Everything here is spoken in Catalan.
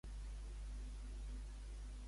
Va tenir el mateix èxit el succeïdor de Lula?